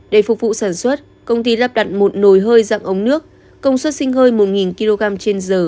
để phục vụ sản xuất công ty lắp đặt một nồi hơi dạng ống nước công suất sinh hơi một kg trên giờ